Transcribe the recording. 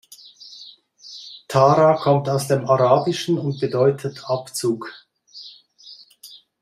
Tara kommt aus dem Arabischen und bedeutet Abzug.